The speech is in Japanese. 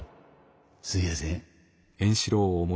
すいやせん。